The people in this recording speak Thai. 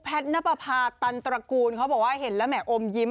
ณปภาตันตระกูลเขาบอกว่าเห็นแล้วแหมอมยิ้ม